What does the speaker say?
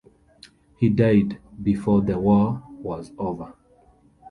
He died before the war was over.